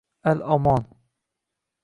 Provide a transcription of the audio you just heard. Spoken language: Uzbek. Al-omon!